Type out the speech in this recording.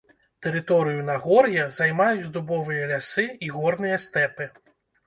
Тэрыторыю нагор'я займаюць дубовыя лясы і горныя стэпы.